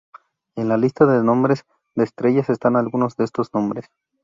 En la lista de nombres de estrellas están algunos de estos nombres.